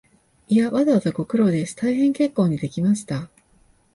いや、わざわざご苦労です、大変結構にできました